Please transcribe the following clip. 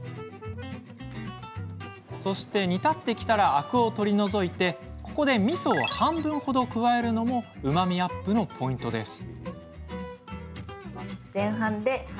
煮立ってきたらアクを取り除いてここで、みそを半分程加えるのもうまみアップのポイントです。